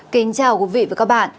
kính chào quý vị và các bạn